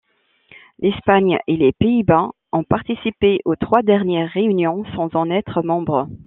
L'Espagne et les Pays-Bas ont participé aux trois dernières réunions sans en être membres.